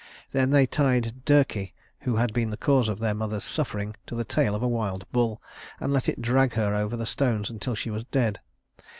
Then they tied Dirce, who had been the cause of their mother's suffering, to the tail of a wild bull, and let it drag her over the stones until she was dead.